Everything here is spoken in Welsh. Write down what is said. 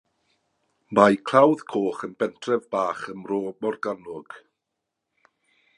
Mae Clawdd Coch yn bentref bach ym Mro Morgannwg.